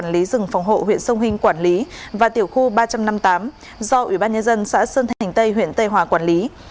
các đối tượng huyện sông hình quản lý và tiểu khu ba trăm năm mươi tám do ủy ban nhân dân xã sơn thành tây huyện tây hòa quản lý